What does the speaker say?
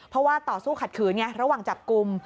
เพราะว่าต่อสู้ขัดขืนไงระหว่างจับกลุ่ม